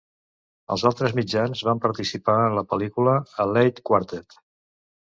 En altres mitjans, va participar en la pel·lícula "A Late Quartet".